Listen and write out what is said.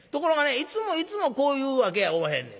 いつもいつもこういうわけやおまへんねん。